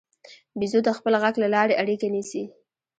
بیزو د خپل غږ له لارې اړیکه نیسي.